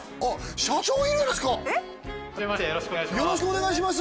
よろしくお願いします。